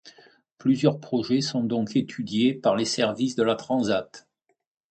Plusieurs projets sont donc étudiés par les services de la Transat.